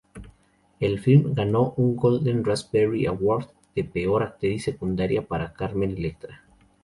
El film ganó un Golden Raspberry Award de Peor actriz secundaria para Carmen Electra.